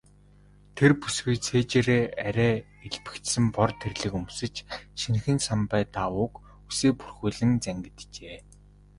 Тэр бүсгүй цээжээрээ арай элбэгдсэн бор тэрлэг өмсөж, шинэхэн самбай даавууг үсээ бүрхүүлэн зангиджээ.